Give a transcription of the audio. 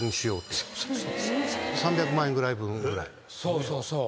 そうそうそう。